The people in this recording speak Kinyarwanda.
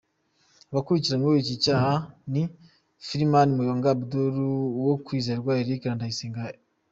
Abakurikiranyweho iki cyaha ni Kilmany, Muyonga Abdoul, Uwokwizerwa Eric na Ndayisenga Emile.